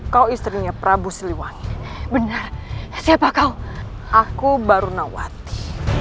kau istrinya prabu siliwangi benar siapa kau aku barunawati